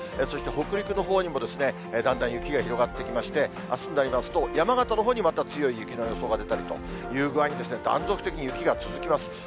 そして北陸のほうにも、だんだん雪が広がってきまして、あすになりますと、山形のほうにまた強い雪の予報が出てるという具合に、断続的に雪が続きます。